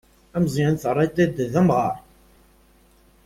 Ameẓẓyan terriḍ-t d amɣar.